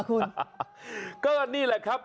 คุณก็นี่แหละครับ